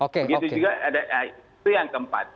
begitu juga itu yang keempat